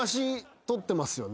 取ってますよね？